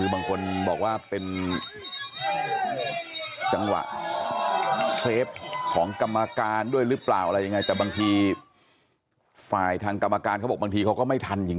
บางคนบอกว่าเป็นจังหวะเซฟของกรรมการด้วยหรือเปล่าอะไรยังไงแต่บางทีฝ่ายทางกรรมการเขาบอกบางทีเขาก็ไม่ทันจริง